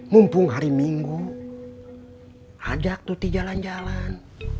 mumpung hari minggu ada waktu di jalan jalan